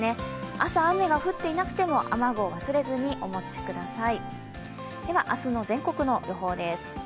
朝、雨が降っていなくても雨具を忘れずにお持ちください。